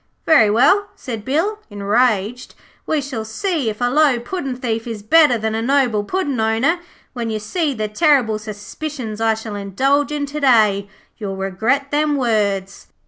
'Very well,' said Bill, enraged, 'we shall see if a low puddin' thief is better than a noble Puddin' owner. When you see the terrible suspicions I shall indulge in to day you'll regret them words.'